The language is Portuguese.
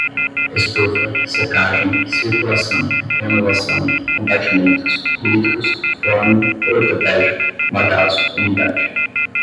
estufa, secagem, circulação, renovação, compartimentos, litros, forno, ortopédico, bagaço, umidade